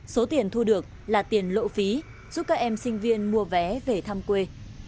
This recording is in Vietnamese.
số tiền thu được là tiền lộ phí giúp các em sinh viên mua vé về thăm quê